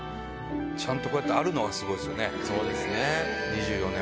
ちゃんとこうやってあるのがそうですね。